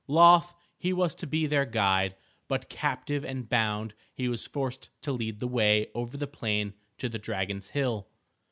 Loth he was to be their guide. But captive and bound he was forced to lead the way over the plain to the dragon's hill.